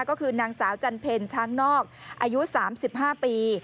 ก็คือนางสาวจันเพ็ญช้างนอกอายุ๓๕ปี